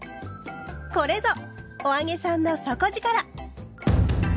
これぞ「“お揚げさん”の底力！」。